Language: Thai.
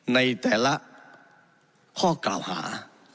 ในแต่ละข้อกล่าวหา